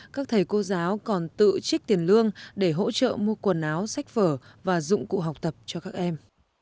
các thầy cô giáo còn tự trích tiền lương để hỗ trợ mua quần áo sách vở và dụng cụ học tập cho các em